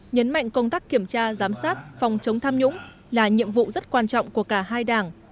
nhấn mạnh công tác kiểm tra giám sát phòng chống tham nhũng là nhiệm vụ rất quan trọng của cả hai đảng